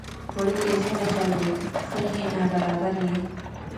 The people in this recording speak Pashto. وړکیه څنګه چل دی، ښه يي برابر يي؟